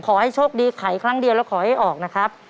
ขอให้โชคดีไขครั้งเดียวแล้วขอให้ออกนะครับ